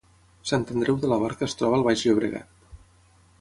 Sant Andreu de la Barca es troba al Baix Llobregat